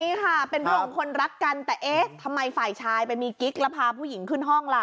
นี่ค่ะเป็นเรื่องของคนรักกันแต่เอ๊ะทำไมฝ่ายชายไปมีกิ๊กแล้วพาผู้หญิงขึ้นห้องล่ะ